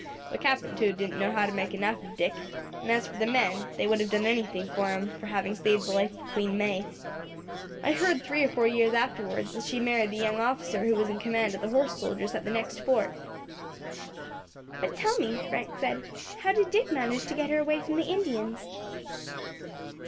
The Captain, too, didn't know how to make enough of Dick; and as for the men, they would have done anything for him for having saved the life of Queen May. I heard, three or four years afterwards, as she married the young officer who was in command of the horse soldiers at the next fort." "But tell me," Frank said, "how did Dick manage to get her away from the Indians?"